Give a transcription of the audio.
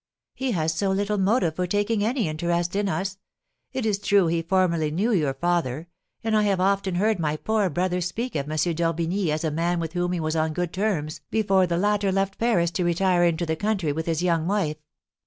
"He has so little motive for taking any interest in us. It is true he formerly knew your father, and I have often heard my poor brother speak of M. d'Orbigny as a man with whom he was on good terms before the latter left Paris to retire into the country with his young wife."